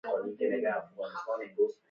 د بې وزنۍ په حالت کې وي.